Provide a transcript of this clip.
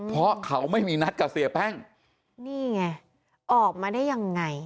เพราะเขาไม่มีนัดกับเสียแป้งนี่ไงออกมาได้ยังไง